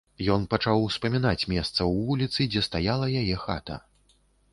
Ён пачаў успамінаць месца ў вуліцы, дзе стаяла яе хата.